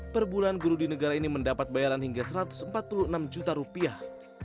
perbulan guru di negara ini mendapat bayaran hingga satu ratus empat puluh enam juta rupiah